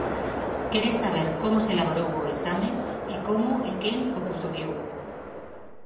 Queren saber como se elaborou o exame e como e quen o custodiou.